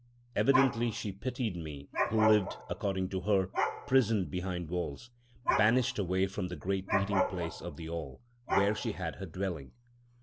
Evidently she pitied me who lived (according to her) prisoned behind walls, banished away from the great meeting place of the All, where she had her dwelling.